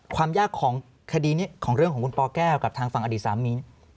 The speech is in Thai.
ความยากของคดีนี้ของเรื่องของคุณปแก้วกับทางฝั่งอดีตสามี